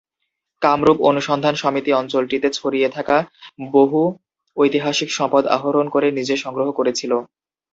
কামরূপ অনুসন্ধান সমিতি অঞ্চলটিতে ছড়িয়ে থাকা বহু ঐতিহাসিক সম্পদ আহরণ করে নিজে সংগ্রহ করেছিল।